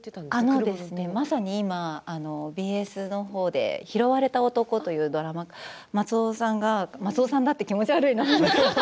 今まさにＢＳのほうで「拾われた男」というドラマ松尾さんが松尾さんだって気持ち悪いな。